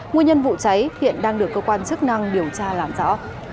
nguyên nhân vụ cháy hiện đang được cơ quan chức năng điều tra làm rõ